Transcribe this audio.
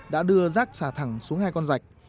đã đưa rạch xả thẳng xuống hai con rạch